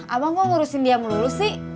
abang gue ngurusin dia melulu sih